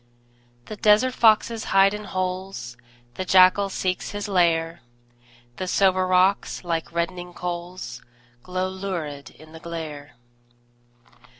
The desert foxes hide in holes, The jackal seeks his lair; The sombre rocks, like reddening coals, Glow lurid in the glare.